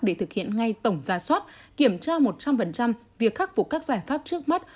để thực hiện ngay tổng ra soát kiểm tra một trăm linh việc khắc phục các giải pháp trước mắt